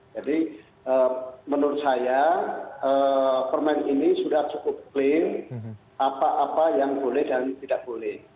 jadi menurut saya permen ini sudah cukup clean apa apa yang boleh dan tidak boleh